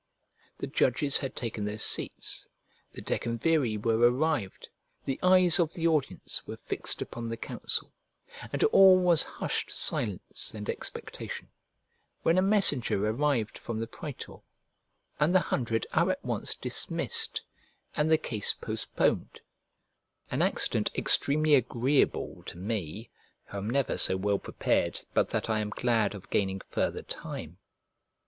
The judges had taken their seats, the decemviri were arrived, the eyes of the audience were fixed upon the counsel, and all was hushed silence and expectation, when a messenger arrived from the praetor, and the Hundred are at once dismissed, and the case postponed: an accident extremely agreeable to me, who am never so well prepared but that I am glad of gaining further time.